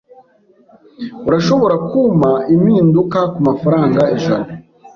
Urashobora kumpa impinduka kumafaranga ijana?